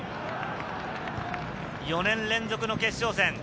４年連続の決勝戦。